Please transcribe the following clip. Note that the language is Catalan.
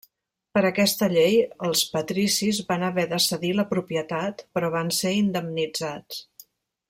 Per aquesta llei els patricis van haver de cedir la propietat però van ser indemnitzats.